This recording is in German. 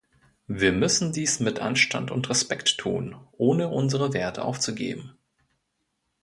Wir müssen dies mit Anstand und Respekt tun, ohne unsere Werte aufzugeben.